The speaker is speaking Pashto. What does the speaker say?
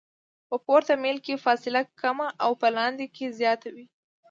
په پورته میل کې فاصله کمه او په لاندې کې زیاته وي